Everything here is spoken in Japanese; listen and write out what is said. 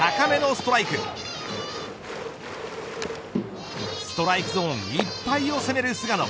ストライクゾーンいっぱいを攻める菅野。